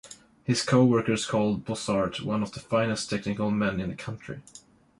His co-workers called Bossart one of the finest technical men in the country.